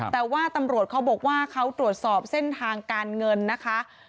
แต่ว่าตำรวจเขาบอกว่าเขาตรวจสอบเส้นทางการเงินนะคะ